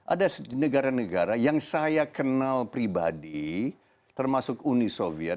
ada negara negara yang saya kenal pribadi termasuk uni soviet